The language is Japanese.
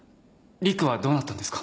陸はどうなったんですか？